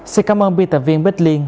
xin cảm ơn bi tập viên bích liên